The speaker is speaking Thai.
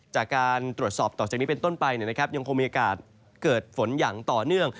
จากการตรวจสอบต่อจากนี้เป็นต้นไปยังคงมีโอกาสเกิดฝนอย่างต่อเนื่อง